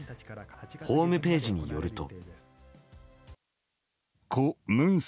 ホームページによると。